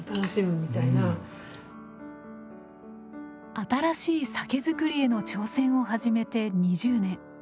新しい酒造りへの挑戦を始めて２０年。